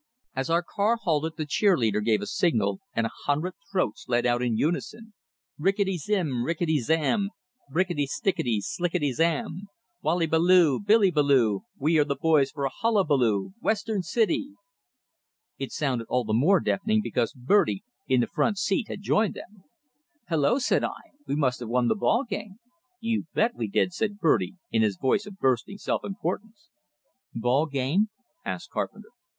As our car halted, the cheer leader gave a signal, and a hundred throats let out in unison: "Rickety zim, rickety zam, Brickety, stickety, slickety slam! Wallybaloo! Billybazoo! We are the boys for a hullabaloo Western City!" It sounded all the more deafening, because Bertie, in the front seat, had joined in. "Hello!" said I. "We must have won the ball game!" "You bet we did!" said Bertie, in his voice of bursting self importance. "Ball game?" asked Carpenter.